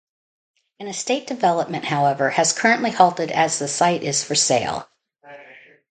An estate development, however, has currently halted as the site is for sale.